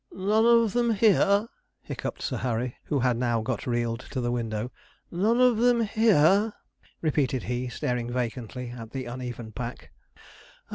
'None of them here!' hiccuped Sir Harry, who had now got reeled to the window. 'None of them here,' repeated he, staring vacantly at the uneven pack.